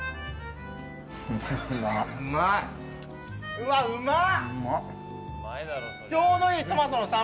うわ、うまっ！